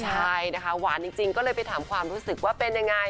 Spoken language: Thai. ใช่นะคะหวานจริงก็เลยไปถามความรู้สึกว่าเป็นยังไง